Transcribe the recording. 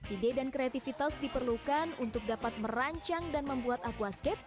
ide dan kreativitas diperlukan untuk dapat merancang dan membuat aquascape